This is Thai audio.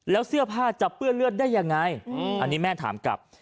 แล้วเสื้อผ้าจะเปื้อนเลือดได้ยังไงอันนี้แม่ถามกลับ